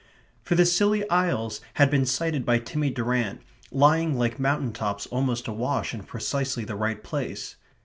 For the Scilly Isles had been sighted by Timmy Durrant lying like mountain tops almost a wash in precisely the right place.